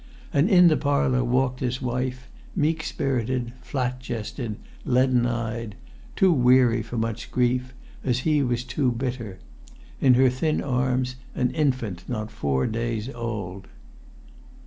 And in the parlour walked his wife, meek spirited, flat chested, leaden eyed; too weary for much grief, as he was too bitter; in her thin arms an infant not four days old.